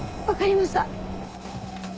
分かりました。